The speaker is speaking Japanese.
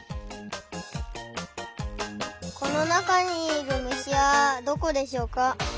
このなかにいるむしはどこでしょうか？